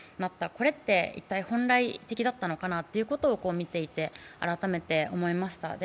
これって一体、本来的だったのかなと見ていて改めて思いました。